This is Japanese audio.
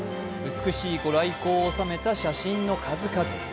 美しい御来光を収めた写真の数々。